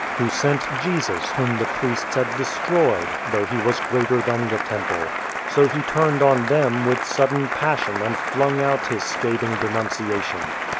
Who sent Jesus Whom 72 IN TRAINING the priests had destroyed, though He was greater than the Temple. So he turned on them with sudden pas sion and flung out his scathing denunciation.